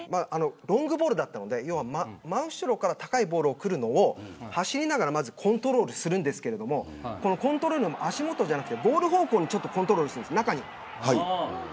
ロングボールだったので要は真後ろから高いボールが来るのを走りながらコントロールするんですけどコントロールするのを足元じゃなくてゴール方向にコントロールするんです。